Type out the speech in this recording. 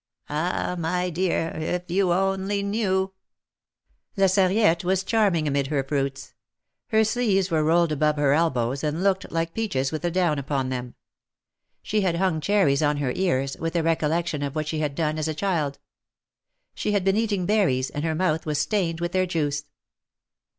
'^ ^^Ah ! my dear, if you only knew !'' La Sarriette was charming amid her fruits. Her sleeves were rolled above her elbows, and looked like peaches with the down upon them. She had hung cherries on her ears, with a recollection of what she had done as a child. She had been eating berries, and her mouth was stained with their juice.